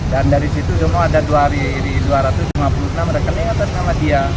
dan dari situ cuma ada dua ratus lima puluh enam rekening atas nama dia